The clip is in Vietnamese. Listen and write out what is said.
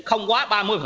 không quá ba mươi